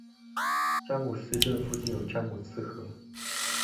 詹姆斯镇附近有詹姆斯河。